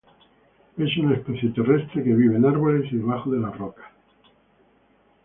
Es una especie terrestre que vive en arboles y debajo de rocas.